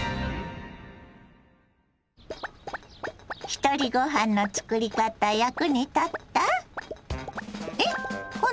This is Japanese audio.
ひとりごはんのつくり方役に立った？